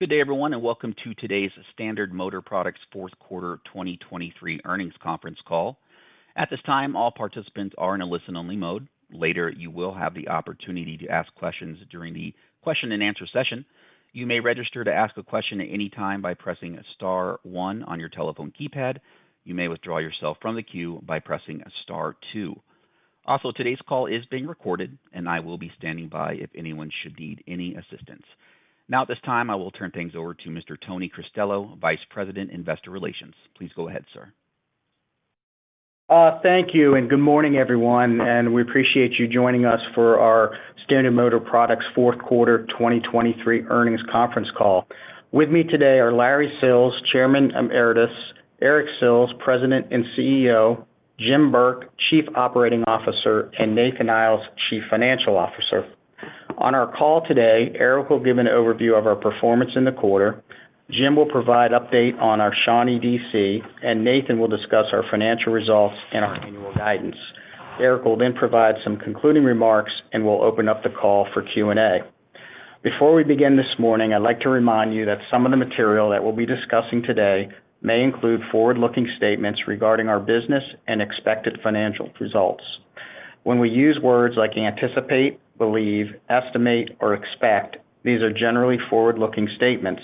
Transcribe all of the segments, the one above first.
Good day, everyone, and welcome to today's Standard Motor Products fourth quarter 2023 earnings conference call. At this time, all participants are in a listen-only mode. Later, you will have the opportunity to ask questions during the question-and-answer session. You may register to ask a question at any time by pressing star one on your telephone keypad. You may withdraw yourself from the queue by pressing star two. Also, today's call is being recorded, and I will be standing by if anyone should need any assistance. Now, at this time, I will turn things over to Mr. Tony Cristello, Vice President, Investor Relations. Please go ahead, sir. Thank you, and good morning, everyone, and we appreciate you joining us for our Standard Motor Products fourth quarter 2023 earnings conference call. With me today are Larry Sills, Chairman Emeritus, Eric Sills, President and CEO, Jim Burke, Chief Operating Officer, and Nathan Iles, Chief Financial Officer. On our call today, Eric will give an overview of our performance in the quarter. Jim will provide an update on our Shawnee DC, and Nathan will discuss our financial results and our annual guidance. Eric will then provide some concluding remarks and will open up the call for Q&A. Before we begin this morning, I'd like to remind you that some of the material that we'll be discussing today may include forward-looking statements regarding our business and expected financial results. When we use words like anticipate, believe, estimate, or expect, these are generally forward-looking statements.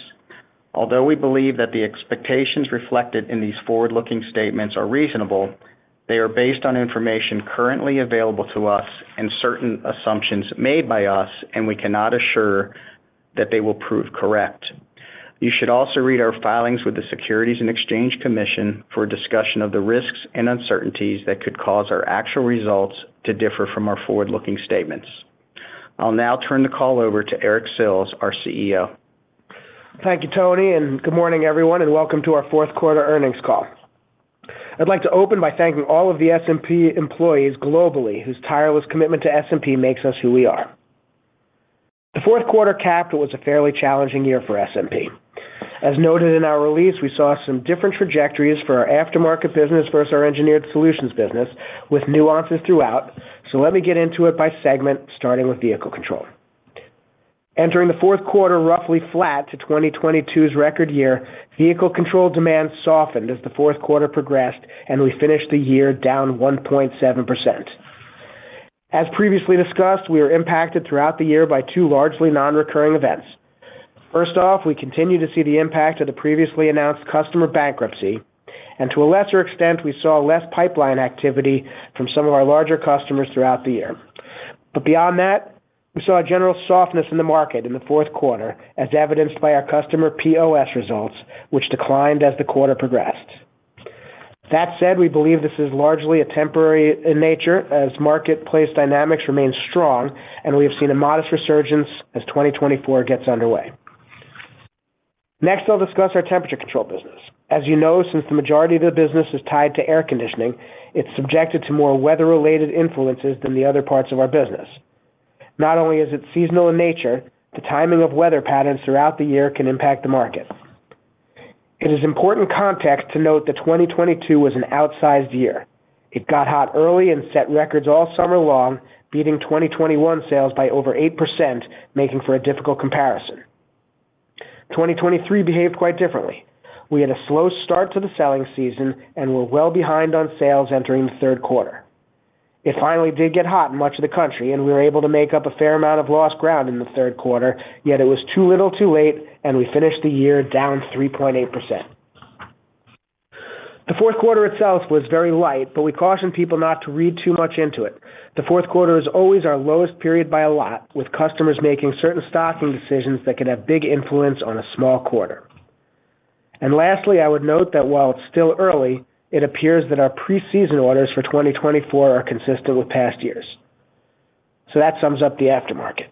Although we believe that the expectations reflected in these forward-looking statements are reasonable, they are based on information currently available to us and certain assumptions made by us, and we cannot assure that they will prove correct. You should also read our filings with the Securities and Exchange Commission for a discussion of the risks and uncertainties that could cause our actual results to differ from our forward-looking statements. I'll now turn the call over to Eric Sills, our CEO. Thank you, Tony, and good morning, everyone, and welcome to our fourth quarter earnings call. I'd like to open by thanking all of the SMP employees globally whose tireless commitment to SMP makes us who we are. The fourth quarter capped was a fairly challenging year for SMP. As noted in our release, we saw some different trajectories for our aftermarket business versus our Engineered Solutions business, with nuances throughout, so let me get into it by segment, starting with Vehicle Control. Entering the fourth quarter roughly flat to 2022's record year, Vehicle Control demand softened as the fourth quarter progressed, and we finished the year down 1.7%. As previously discussed, we were impacted throughout the year by two largely non-recurring events. First off, we continue to see the impact of the previously announced customer bankruptcy, and to a lesser extent, we saw less pipeline activity from some of our larger customers throughout the year. But beyond that, we saw a general softness in the market in the fourth quarter, as evidenced by our customer POS results, which declined as the quarter progressed. That said, we believe this is largely temporary in nature as marketplace dynamics remain strong, and we have seen a modest resurgence as 2024 gets underway. Next, I'll discuss our Temperature Control business. As you know, since the majority of the business is tied to air conditioning, it's subjected to more weather-related influences than the other parts of our business. Not only is it seasonal in nature, the timing of weather patterns throughout the year can impact the market. It is important context to note that 2022 was an outsized year. It got hot early and set records all summer long, beating 2021 sales by over 8%, making for a difficult comparison. 2023 behaved quite differently. We had a slow start to the selling season and were well behind on sales entering the third quarter. It finally did get hot in much of the country, and we were able to make up a fair amount of lost ground in the third quarter, yet it was too little, too late, and we finished the year down 3.8%. The fourth quarter itself was very light, but we cautioned people not to read too much into it. The fourth quarter is always our lowest period by a lot, with customers making certain stocking decisions that can have big influence on a small quarter. Lastly, I would note that while it's still early, it appears that our pre-season orders for 2024 are consistent with past years. That sums up the aftermarket.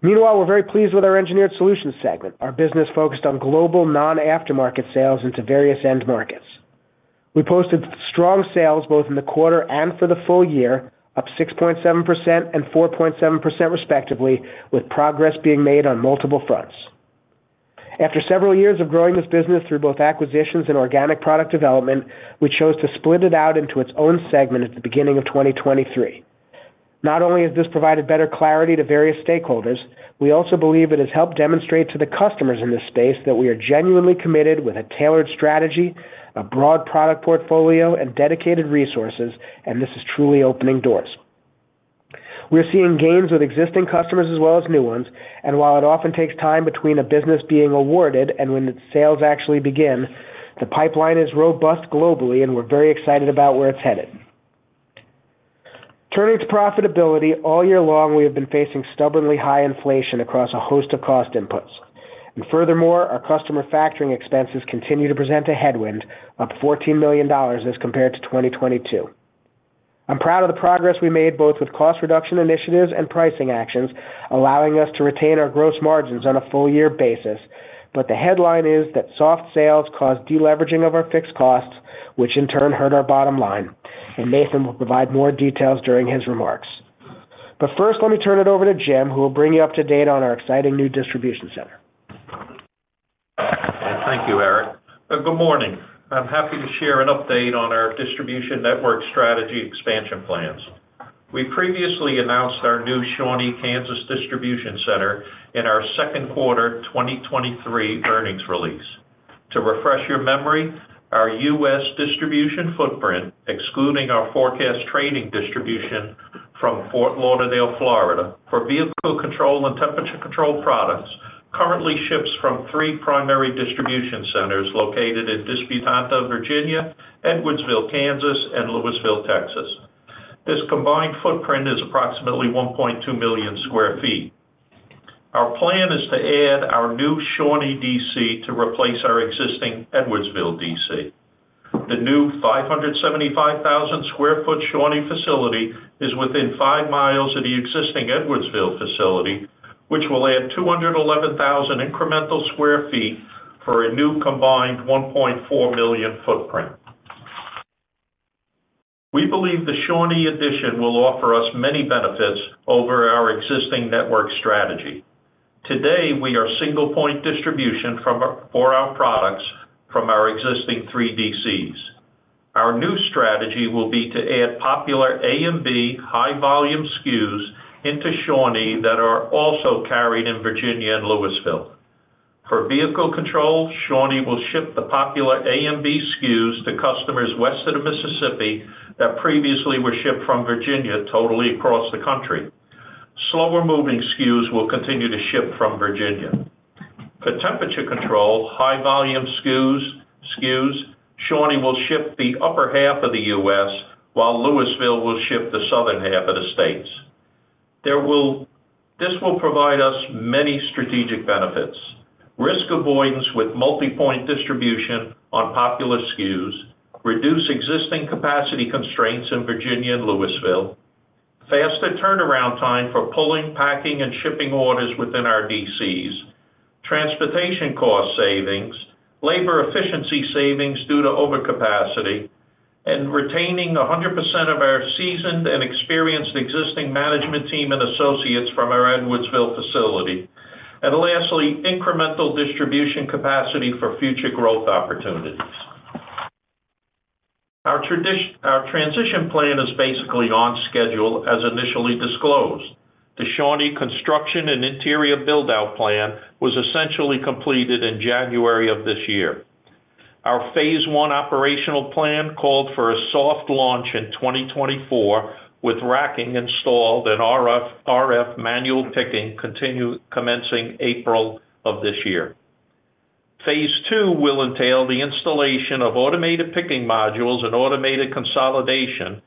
Meanwhile, we're very pleased with our Engineered Solutions segment, our business focused on global non-aftermarket sales into various end markets. We posted strong sales both in the quarter and for the full year, up 6.7% and 4.7% respectively, with progress being made on multiple fronts. After several years of growing this business through both acquisitions and organic product development, we chose to split it out into its own segment at the beginning of 2023. Not only has this provided better clarity to various stakeholders, we also believe it has helped demonstrate to the customers in this space that we are genuinely committed with a tailored strategy, a broad product portfolio, and dedicated resources, and this is truly opening doors. We're seeing gains with existing customers as well as new ones, and while it often takes time between a business being awarded and when its sales actually begin, the pipeline is robust globally, and we're very excited about where it's headed. Turning to profitability, all year long we have been facing stubbornly high inflation across a host of cost inputs. Furthermore, our customer factoring expenses continue to present a headwind, up $14 million as compared to 2022. I'm proud of the progress we made both with cost reduction initiatives and pricing actions, allowing us to retain our gross margins on a full-year basis, but the headline is that soft sales caused deleveraging of our fixed costs, which in turn hurt our bottom line, and Nathan will provide more details during his remarks. First, let me turn it over to Jim, who will bring you up to date on our exciting new distribution center. Thank you, Eric. Good morning. I'm happy to share an update on our distribution network strategy expansion plans. We previously announced our new Shawnee, Kansas distribution center in our second quarter 2023 earnings release. To refresh your memory, our U.S. distribution footprint, excluding our Forecast Trading distribution from Fort Lauderdale, Florida, for Vehicle Control and Temperature Control products, currently ships from three primary distribution centers located in Disputanta, Virginia, Edwardsville, Kansas, and Lewisville, Texas. This combined footprint is approximately 1.2 million sq ft. Our plan is to add our new Shawnee DC, to replace our existing Edwardsville DC. The new 575,000 sq ft Shawnee facility is within five miles of the existing Edwardsville facility, which will add 211,000 incremental sq ft for a new combined 1.4 million sq ft footprint. We believe the Shawnee addition will offer us many benefits over our existing network strategy. Today, we are single-point distribution for our products from our existing three DCs. Our new strategy will be to add popular A and B high-volume SKUs into Shawnee that are also carried in Virginia and Lewisville. For Vehicle Control, Shawnee will ship the popular A and B SKUs to customers west of Mississippi that previously were shipped from Virginia totally across the country. Slower-moving SKUs will continue to ship from Virginia. For Temperature Control high-volume SKUs, Shawnee will ship the upper half of the U.S., while Lewisville will ship the southern half of the states. This will provide us many strategic benefits: risk avoidance with multi-point distribution on popular SKUs, reduce existing capacity constraints in Virginia and Lewisville, faster turnaround time for pulling, packing, and shipping orders within our DCs, transportation cost savings, labor efficiency savings due to overcapacity, and retaining 100% of our seasoned and experienced existing management team and associates from our Edwardsville facility. Lastly, incremental distribution capacity for future growth opportunities. Our transition plan is basically on schedule, as initially disclosed. The Shawnee construction and interior build-out plan was essentially completed in January of this year. Our phase I operational plan called for a soft launch in 2024, with racking installed and RF manual picking commencing April of this year. Phase II will entail the installation of automated picking modules and automated consolidation,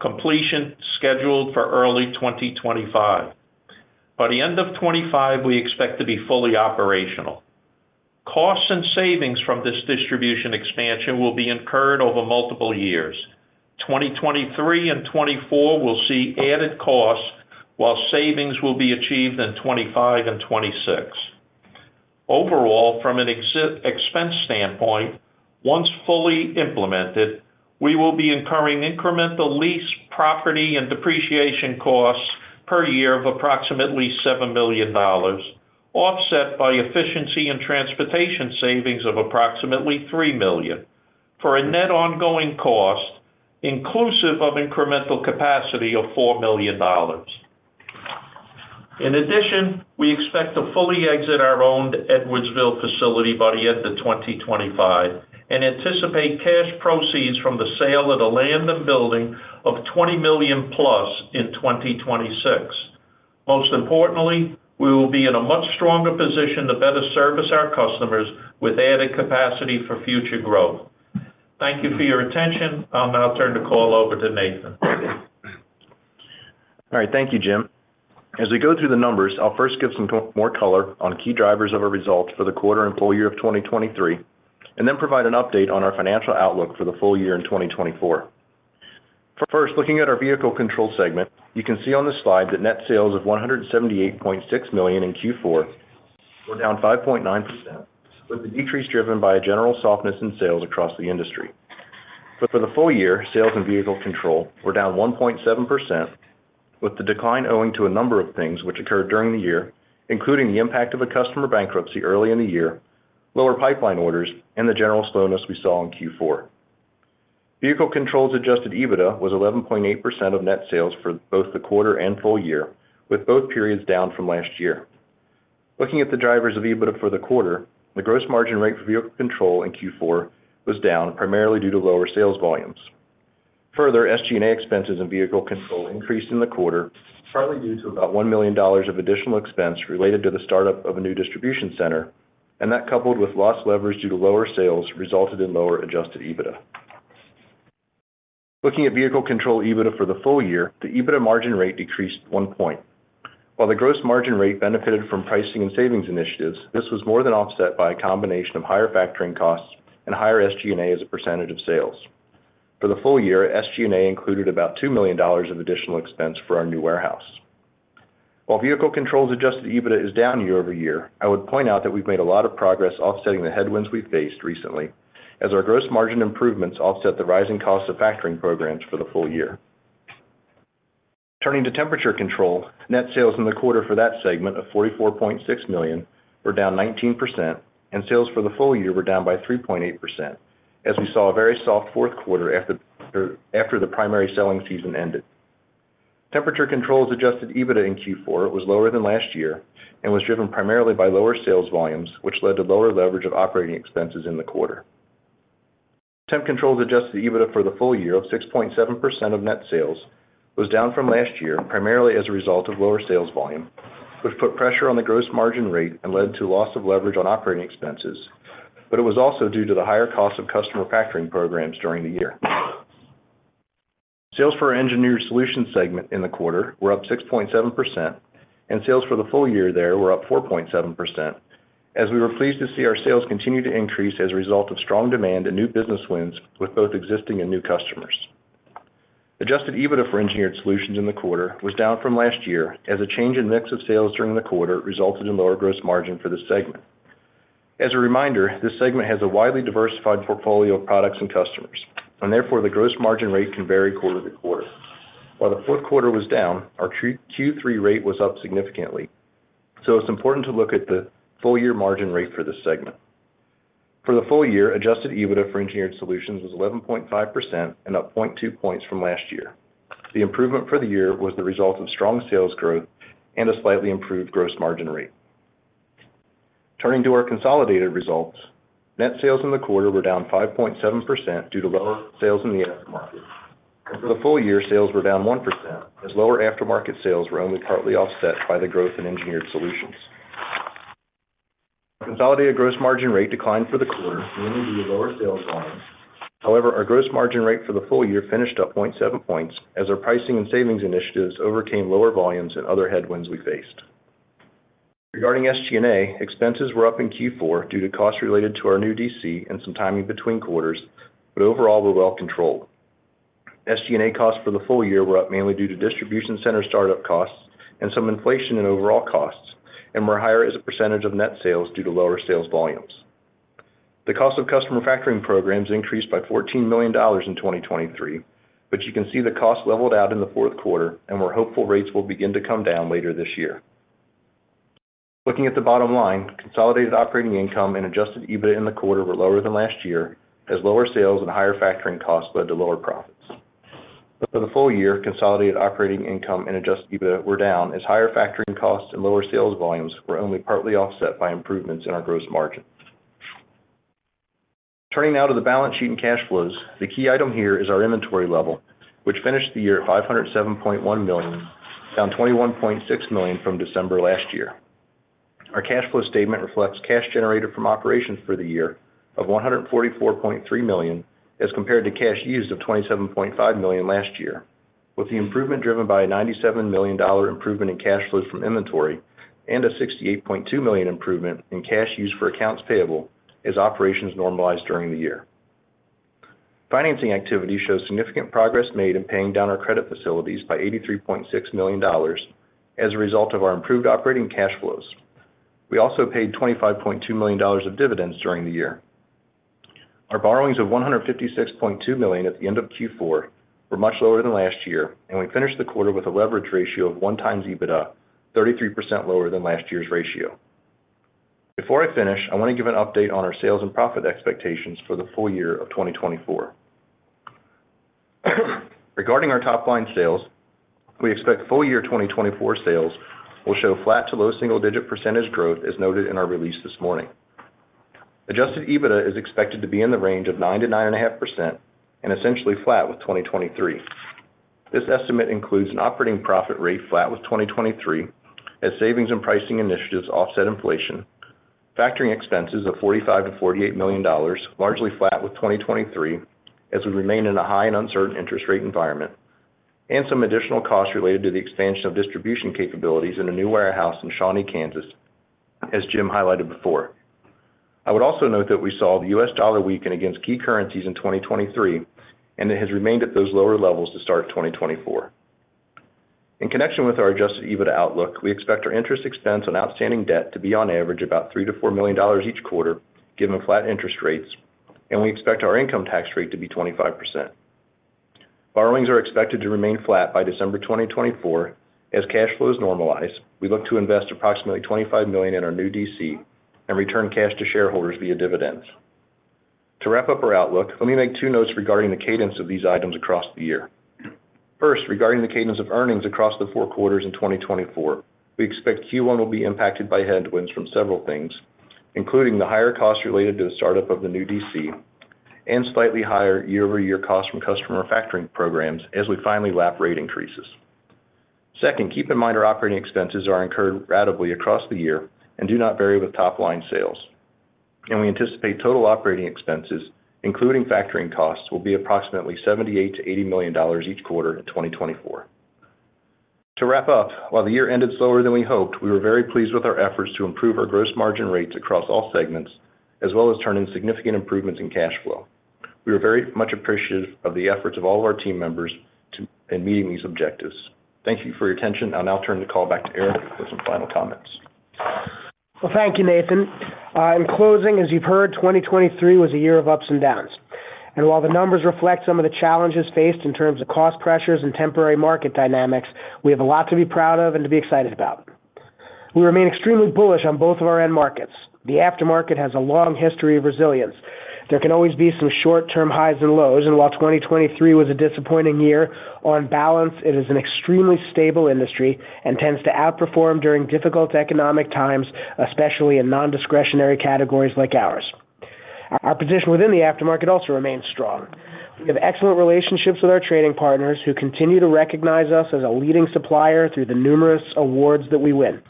completion scheduled for early 2025. By the end of 2025, we expect to be fully operational. Costs and savings from this distribution expansion will be incurred over multiple years. 2023 and 2024 will see added costs, while savings will be achieved in 2025 and 2026. Overall, from an expense standpoint, once fully implemented, we will be incurring incremental lease, property, and depreciation costs per year of approximately $7 million, offset by efficiency and transportation savings of approximately $3 million for a net ongoing cost inclusive of incremental capacity of $4 million. In addition, we expect to fully exit our own Edwardsville facility by the end of 2025 and anticipate cash proceeds from the sale of the land and building of $20 million plus in 2026. Most importantly, we will be in a much stronger position to better service our customers with added capacity for future growth. Thank you for your attention. I'll now turn the call over to Nathan. All right. Thank you, Jim. As we go through the numbers, I'll first give some more color on key drivers of our results for the quarter and full year of 2023, and then provide an update on our financial outlook for the full year in 2024. First, looking at our Vehicle Control segment, you can see on the slide that net sales of $178.6 million in Q4 were down 5.9%, with the decrease driven by a general softness in sales across the industry. For the full year, sales in Vehicle Control were down 1.7%, with the decline owing to a number of things which occurred during the year, including the impact of a customer bankruptcy early in the year, lower pipeline orders, and the general slowness we saw in Q4. Vehicle Control's adjusted EBITDA was 11.8% of net sales for both the quarter and full year, with both periods down from last year. Looking at the drivers of EBITDA for the quarter, the gross margin rate for Vehicle Control in Q4 was down primarily due to lower sales volumes. Further, SG&A expenses in Vehicle Control increased in the quarter, partly due to about $1 million of additional expense related to the startup of a new distribution center, and that coupled with lost levers due to lower sales resulted in lower adjusted EBITDA. Looking at Vehicle Control EBITDA for the full year, the EBITDA margin rate decreased 1 point. While the gross margin rate benefited from pricing and savings initiatives, this was more than offset by a combination of higher factoring costs and higher SG&A as a percentage of sales. For the full year, SG&A included about $2 million of additional expense for our new warehouse. While Vehicle Control's adjusted EBITDA is down year-over-year, I would point out that we've made a lot of progress offsetting the headwinds we faced recently, as our gross margin improvements offset the rising costs of factoring programs for the full year. Turning to Temperature Control, net sales in the quarter for that segment of $44.6 million were down 19%, and sales for the full year were down by 3.8%, as we saw a very soft fourth quarter after the primary selling season ended. Temperature Control's adjusted EBITDA in Q4 was lower than last year and was driven primarily by lower sales volumes, which led to lower leverage of operating expenses in the quarter. Temperature Control's adjusted EBITDA for the full year of 6.7% of net sales was down from last year primarily as a result of lower sales volume, which put pressure on the gross margin rate and led to loss of leverage on operating expenses, but it was also due to the higher costs of customer factoring programs during the year. Sales for our Engineered Solutions segment in the quarter were up 6.7%, and sales for the full year there were up 4.7%, as we were pleased to see our sales continue to increase as a result of strong demand and new business wins with both existing and new customers. Adjusted EBITDA for Engineered Solutions in the quarter was down from last year, as a change in mix of sales during the quarter resulted in lower gross margin for this segment. As a reminder, this segment has a widely diversified portfolio of products and customers, and therefore the gross margin rate can vary quarter to quarter. While the fourth quarter was down, our Q3 rate was up significantly, so it's important to look at the full-year margin rate for this segment. For the full year, adjusted EBITDA for Engineered Solutions was 11.5% and up 0.2 points from last year. The improvement for the year was the result of strong sales growth and a slightly improved gross margin rate. Turning to our consolidated results, net sales in the quarter were down 5.7% due to lower sales in the aftermarket. For the full year, sales were down 1%, as lower aftermarket sales were only partly offset by the growth in Engineered Solutions. Our consolidated gross margin rate declined for the quarter, mainly due to lower sales volumes. However, our gross margin rate for the full year finished up 0.7 points, as our pricing and savings initiatives overcame lower volumes and other headwinds we faced. Regarding SG&A, expenses were up in Q4 due to costs related to our new DC and some timing between quarters, but overall were well controlled. SG&A costs for the full year were up mainly due to distribution center startup costs and some inflation in overall costs, and were higher as a percentage of net sales due to lower sales volumes. The cost of customer factoring programs increased by $14 million in 2023, but you can see the cost leveled out in the fourth quarter, and we're hopeful rates will begin to come down later this year. Looking at the bottom line, consolidated operating income and adjusted EBITDA in the quarter were lower than last year, as lower sales and higher factoring costs led to lower profits. For the full year, consolidated operating income and adjusted EBITDA were down, as higher factoring costs and lower sales volumes were only partly offset by improvements in our gross margin. Turning now to the balance sheet and cash flows, the key item here is our inventory level, which finished the year at $507.1 million, down $21.6 million from December last year. Our cash flow statement reflects cash generated from operations for the year of $144.3 million as compared to cash used of $27.5 million last year, with the improvement driven by a $97 million improvement in cash flows from inventory and a $68.2 million improvement in cash used for accounts payable as operations normalized during the year. Financing activity shows significant progress made in paying down our credit facilities by $83.6 million as a result of our improved operating cash flows. We also paid $25.2 million of dividends during the year. Our borrowings of $156.2 million at the end of Q4 were much lower than last year, and we finished the quarter with a leverage ratio of 1x EBITDA, 33% lower than last year's ratio. Before I finish, I want to give an update on our sales and profit expectations for the full year of 2024. Regarding our top-line sales, we expect full-year 2024 sales will show flat to low single-digit percentage growth, as noted in our release this morning. Adjusted EBITDA is expected to be in the range of 9%-9.5% and essentially flat with 2023. This estimate includes an operating profit rate flat with 2023, as savings and pricing initiatives offset inflation, factoring expenses of $45 million-$48 million largely flat with 2023, as we remain in a high and uncertain interest rate environment, and some additional costs related to the expansion of distribution capabilities in a new warehouse in Shawnee, Kansas, as Jim highlighted before. I would also note that we saw the U.S. dollar weaken against key currencies in 2023, and it has remained at those lower levels to start 2024. In connection with our adjusted EBITDA outlook, we expect our interest expense on outstanding debt to be on average about $3 million-$4 million each quarter, given flat interest rates, and we expect our income tax rate to be 25%. Borrowings are expected to remain flat by December 2024. As cash flows normalize, we look to invest approximately $25 million in our new DC and return cash to shareholders via dividends. To wrap up our outlook, let me make two notes regarding the cadence of these items across the year. First, regarding the cadence of earnings across the four quarters in 2024, we expect Q1 will be impacted by headwinds from several things, including the higher costs related to the startup of the new DC and slightly higher year-over-year costs from customer factoring programs as we finally lap rate increases. Second, keep in mind our operating expenses are incurred ratably across the year and do not vary with top-line sales. And we anticipate total operating expenses, including factoring costs, will be approximately $78 million-$80 million each quarter in 2024. To wrap up, while the year ended slower than we hoped, we were very pleased with our efforts to improve our gross margin rates across all segments, as well as turn in significant improvements in cash flow. We were very much appreciative of the efforts of all of our team members in meeting these objectives. Thank you for your attention. I'll now turn the call back to Eric for some final comments. Well, thank you, Nathan. In closing, as you've heard, 2023 was a year of ups and downs. And while the numbers reflect some of the challenges faced in terms of cost pressures and temporary market dynamics, we have a lot to be proud of and to be excited about. We remain extremely bullish on both of our end markets. The aftermarket has a long history of resilience. There can always be some short-term highs and lows, and while 2023 was a disappointing year, on balance, it is an extremely stable industry and tends to outperform during difficult economic times, especially in nondiscretionary categories like ours. Our position within the aftermarket also remains strong. We have excellent relationships with our trading partners who continue to recognize us as a leading supplier through the numerous awards that we win.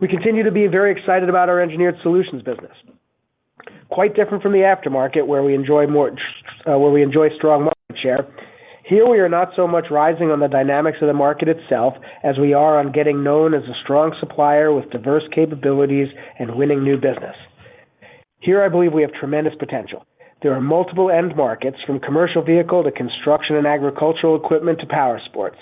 We continue to be very excited about our Engineered Solutions business. Quite different from the aftermarket, where we enjoy strong market share, here we are not so much rising on the dynamics of the market itself as we are on getting known as a strong supplier with diverse capabilities and winning new business. Here, I believe we have tremendous potential. There are multiple end markets, from commercial vehicle to construction and agricultural equipment to power sports.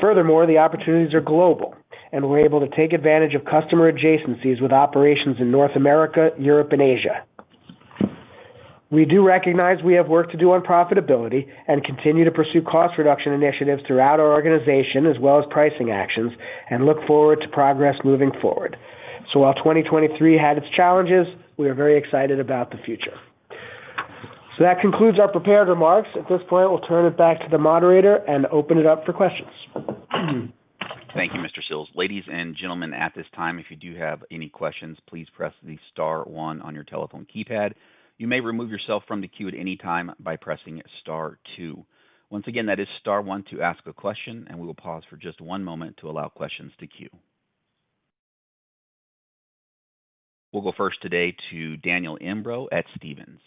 Furthermore, the opportunities are global, and we're able to take advantage of customer adjacencies with operations in North America, Europe, and Asia. We do recognize we have work to do on profitability and continue to pursue cost reduction initiatives throughout our organization, as well as pricing actions, and look forward to progress moving forward. While 2023 had its challenges, we are very excited about the future. That concludes our prepared remarks. At this point, we'll turn it back to the moderator and open it up for questions. Thank you, Mr. Sills. Ladies and gentlemen, at this time, if you do have any questions, please press the star one on your telephone keypad. You may remove yourself from the queue at any time by pressing star two. Once again, that is star one to ask a question, and we will pause for just one moment to allow questions to queue. We'll go first today to Daniel Imbro at Stephens.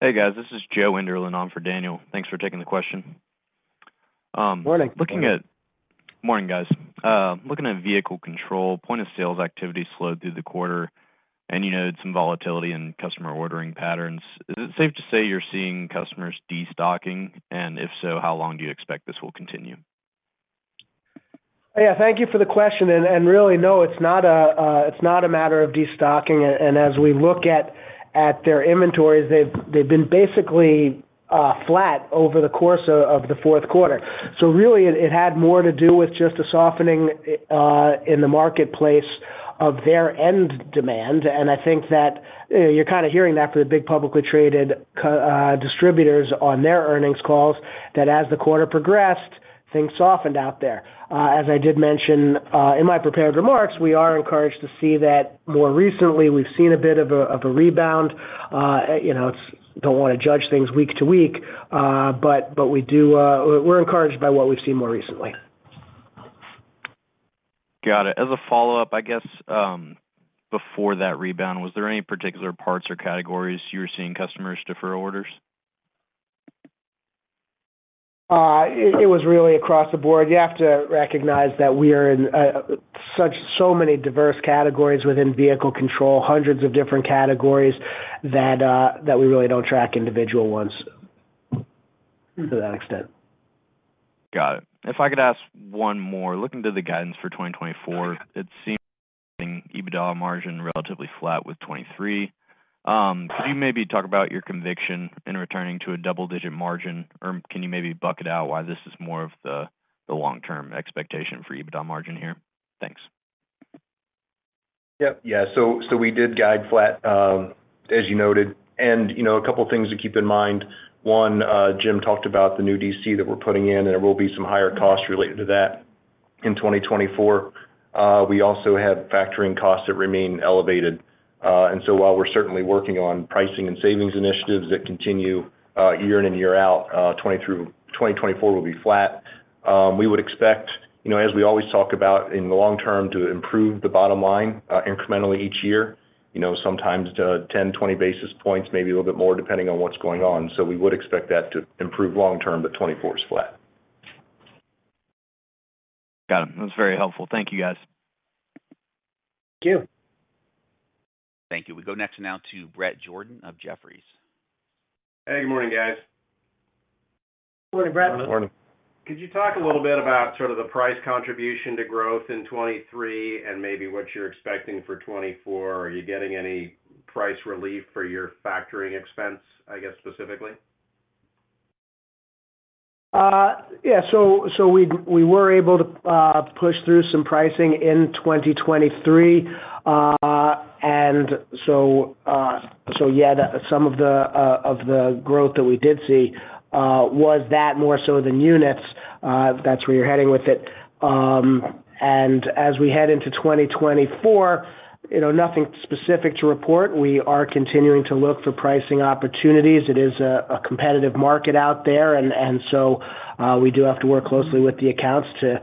Hey, guys. This is Joe Enderlin on for Daniel. Thanks for taking the question. Morning. Good morning, guys. Looking at Vehicle Control, point-of-sale activity slowed through the quarter, and you noted some volatility in customer ordering patterns. Is it safe to say you're seeing customers destocking? And if so, how long do you expect this will continue? Yeah, thank you for the question. Really, no, it's not a matter of destocking. As we look at their inventories, they've been basically flat over the course of the fourth quarter. Really, it had more to do with just a softening in the marketplace of their end demand. I think that you're kind of hearing that from the big publicly traded distributors on their earnings calls, that as the quarter progressed, things softened out there. As I did mention in my prepared remarks, we are encouraged to see that more recently we've seen a bit of a rebound. Don't want to judge things week to week, but we're encouraged by what we've seen more recently. Got it. As a follow-up, I guess, before that rebound, was there any particular parts or categories you were seeing customers defer orders? It was really across the board. You have to recognize that we are in so many diverse categories within Vehicle Control, hundreds of different categories that we really don't track individual ones to that extent. Got it. If I could ask one more, looking to the guidance for 2024, it seems like EBITDA margin is relatively flat with 2023. Could you maybe talk about your conviction in returning to a double-digit margin, or can you maybe break it out why this is more of the long-term expectation for EBITDA margin here? Thanks. Yep. Yeah. So we did guide flat, as you noted. And a couple of things to keep in mind. One, Jim talked about the new DC that we're putting in, and there will be some higher costs related to that in 2024. We also have factoring costs that remain elevated. And so while we're certainly working on pricing and savings initiatives that continue year in and year out, 2024 will be flat. We would expect, as we always talk about, in the long term to improve the bottom line incrementally each year, sometimes to 10, 20 basis points, maybe a little bit more depending on what's going on. So we would expect that to improve long term, but 2024 is flat. Got it. That was very helpful. Thank you, guys. Thank you. Thank you. We go next now to Bret Jordan of Jefferies. Hey, good morning, guys. Morning, Bret. Morning. Could you talk a little bit about sort of the price contribution to growth in 2023 and maybe what you're expecting for 2024? Are you getting any price relief for your factoring expense, I guess, specifically? Yeah. So we were able to push through some pricing in 2023. And so yeah, some of the growth that we did see was that more so than units. That's where you're heading with it. And as we head into 2024, nothing specific to report. We are continuing to look for pricing opportunities. It is a competitive market out there, and so we do have to work closely with the accounts to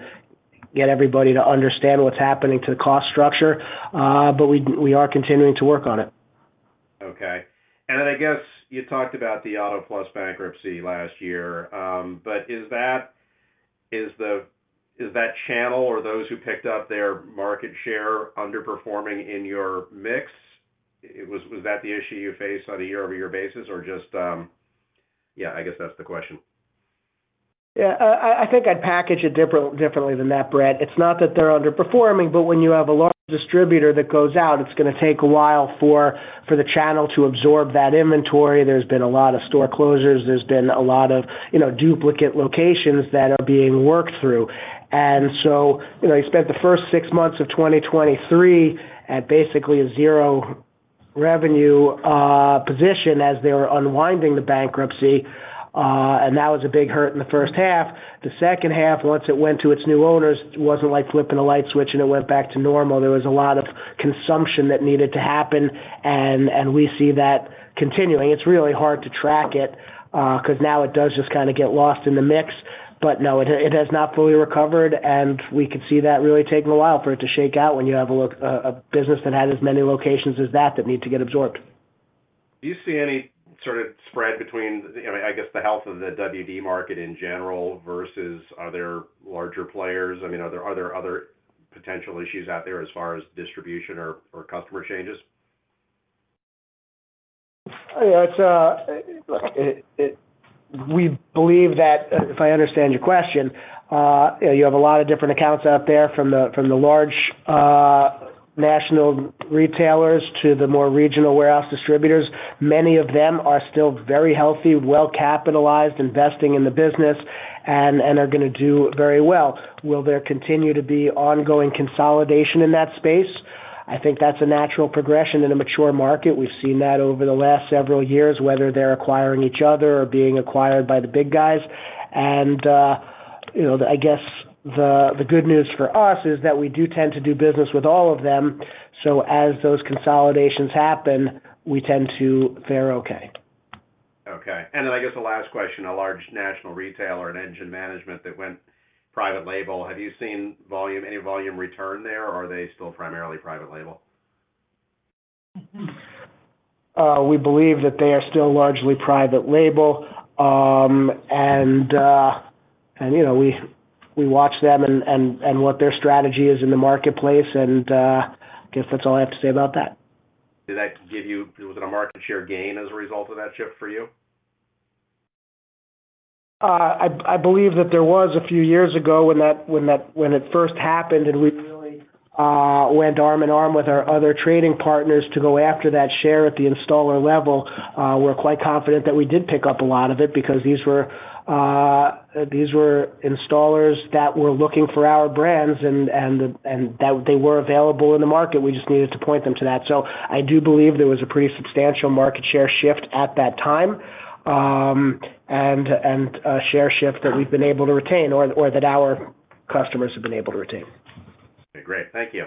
get everybody to understand what's happening to the cost structure. But we are continuing to work on it. Okay. And then I guess you talked about the Auto Plus bankruptcy last year, but is that channel or those who picked up their market share underperforming in your mix? Was that the issue you face on a year-over-year basis, or just yeah, I guess that's the question. Yeah. I think I'd package it differently than that, Bret. It's not that they're underperforming, but when you have a large distributor that goes out, it's going to take a while for the channel to absorb that inventory. There's been a lot of store closures. There's been a lot of duplicate locations that are being worked through. And so you spent the first six months of 2023 at basically a zero-revenue position as they were unwinding the bankruptcy, and that was a big hurt in the first half. The second half, once it went to its new owners, wasn't like flipping a light switch and it went back to normal. There was a lot of consumption that needed to happen, and we see that continuing. It's really hard to track it because now it does just kind of get lost in the mix. But no, it has not fully recovered, and we could see that really taking a while for it to shake out when you have a business that had as many locations as that that need to get absorbed. Do you see any sort of spread between, I guess, the health of the WD market in general versus other larger players? I mean, are there other potential issues out there as far as distribution or customer changes? Yeah. Look, we believe that if I understand your question, you have a lot of different accounts out there from the large national retailers to the more regional warehouse distributors. Many of them are still very healthy, well-capitalized, investing in the business and are going to do very well. Will there continue to be ongoing consolidation in that space? I think that's a natural progression in a mature market. We've seen that over the last several years, whether they're acquiring each other or being acquired by the big guys. And I guess the good news for us is that we do tend to do business with all of them. So as those consolidations happen, we tend to fare okay. Okay. And then I guess the last question, a large national retailer, an engine management that went private label, have you seen any volume return there, or are they still primarily private label? We believe that they are still largely private label. We watch them and what their strategy is in the marketplace, and I guess that's all I have to say about that. Did that give you a market share gain as a result of that shift for you? I believe that there was a few years ago when it first happened, and we really went arm in arm with our other trading partners to go after that share at the installer level. We're quite confident that we did pick up a lot of it because these were installers that were looking for our brands, and they were available in the market. We just needed to point them to that. So I do believe there was a pretty substantial market share shift at that time and a share shift that we've been able to retain or that our customers have been able to retain. Okay. Great. Thank you.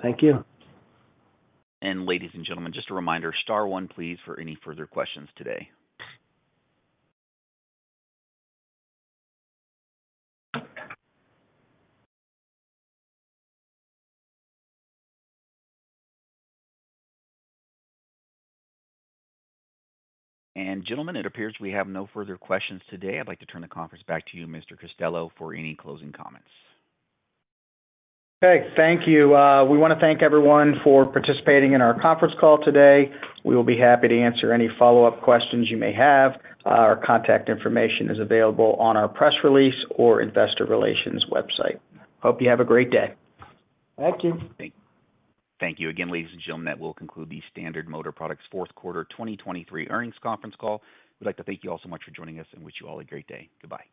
Thank you. Ladies and gentlemen, just a reminder, star one, please, for any further questions today. Gentlemen, it appears we have no further questions today. I'd like to turn the conference back to you, Mr. Cristello, for any closing comments. Okay. Thank you. We want to thank everyone for participating in our conference call today. We will be happy to answer any follow-up questions you may have. Our contact information is available on our press release or investor relations website. Hope you have a great day. Thank you. Thank you again, ladies and gentlemen. That will conclude the Standard Motor Products fourth quarter 2023 earnings conference call. We'd like to thank you all so much for joining us and wish you all a great day. Goodbye.